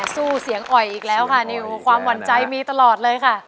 สู้เสียงอ่อยอีกแล้วค่ะนิวความหวั่นใจมีตลอดเลยค่ะ